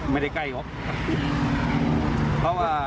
ไม่ได้ใกล้หรือเปล่า